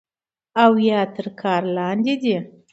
او يا تر كار لاندې دی